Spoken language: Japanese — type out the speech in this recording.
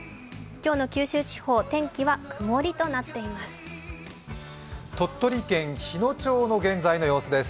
今日の九州地方、天気は曇りとなっています。